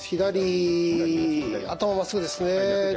頭まっすぐですね。